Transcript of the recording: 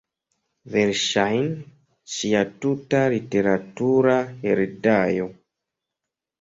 Verŝajne, ŝia tuta literatura heredaĵo.